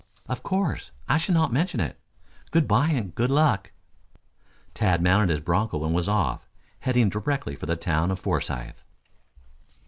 "Of course, I shall not mention it. Good bye and good luck." Tad mounted his broncho and was off, head ding directly for the town of Forsythe.